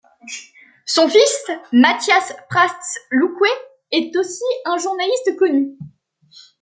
Son fils Matías Prats Luque est aussi un journaliste connu.